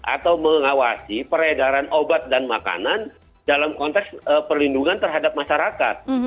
atau mengawasi peredaran obat dan makanan dalam konteks perlindungan terhadap masyarakat